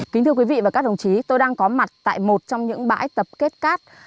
kính thưa quý vị và các đồng chí tôi đang có mặt tại một trong những bãi tập kết cát